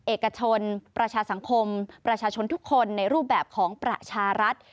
เอกชนประชาสังคมประชาชนทุกคนในรูปแบบของประชารัฐ